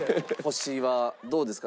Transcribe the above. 星はどうですか？